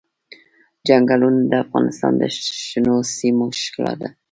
چنګلونه د افغانستان د شنو سیمو ښکلا ده.